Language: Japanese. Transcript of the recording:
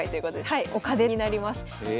はいお金になります。